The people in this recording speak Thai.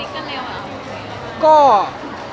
คุยกันเร็วอะ